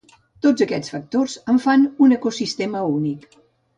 Tots aquests factors en fan un ecosistema únic.